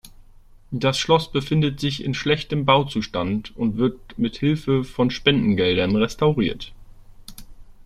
Das Schloss befindet sich in schlechtem Bauzustand und wird mithilfe von Spendengeldern restauriert.